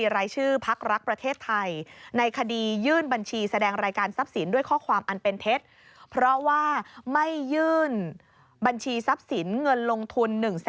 ลงทุน๑๕๐๐๐๐บาทในพัฒนาคารแห่งหนึ่ง